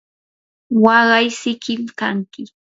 waqay sikim kanki.